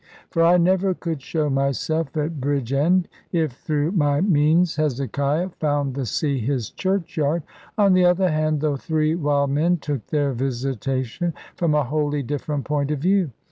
For I never could show myself at Bridgend, if through my means Hezekiah found the sea his churchyard. On the other hand, the three wild men took their visitation from a wholly different point of view.